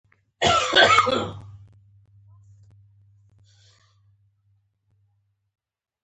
د لوړو ادبي اثارو په لیکلو یې زیات نړیوال شهرت ګټلی.